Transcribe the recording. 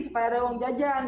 supaya ada uang jajan